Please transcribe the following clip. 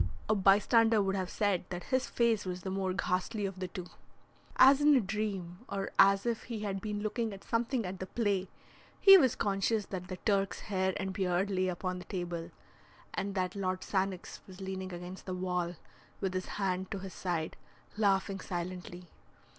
A bystander would have said that his face was the more ghastly of the two. As in a dream, or as if he had been looking at something at the play, he was conscious that the Turk's hair and beard lay upon the table, and that Lord Sannox was leaning against the wall with his hand to his side, laughing silently.